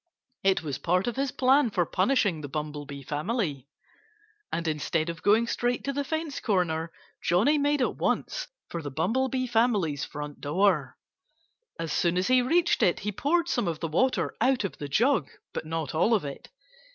It was part of his plan for punishing the Bumblebee family. And instead of going straight to the fence corner, Johnnie made at once for the Bumblebee family's front door. As soon as he reached it he poured some of the water out of the jug but not all of it.